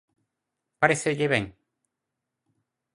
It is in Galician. ¿Parécelle ben?